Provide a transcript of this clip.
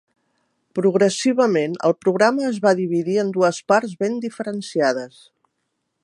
Progressivament, el programa es va dividir en dues parts ben diferenciades.